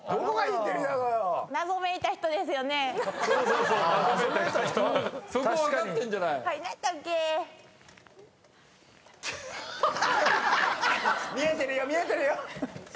見えてるよ見えてるよ！